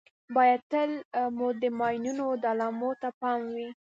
باید تل مو د ماینونو د علامو ته پام وي.